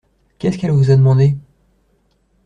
Qu’est-ce qu’elle vous a demandé ?